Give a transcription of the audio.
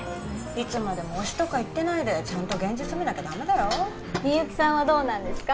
いつまでも「推し」とか言ってないでちゃんと現実見なきゃダメだよ深雪さんはどうなんですか？